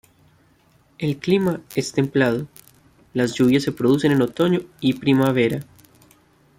El clima es templado; las lluvias se producen en otoño y primavera.